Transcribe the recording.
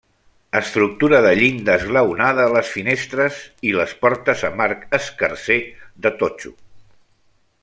Estructura de llinda esglaonada a les finestres i les portes amb arc escarser, de totxo.